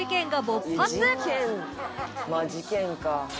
「事件まあ事件か」